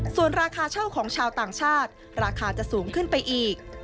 ส่วนราคาเช่าของชาวต่างชาติราคาจะสูงขึ้นไปอีก